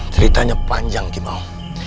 ceritanya panjang kimau